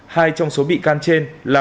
hai trong số bị can trên là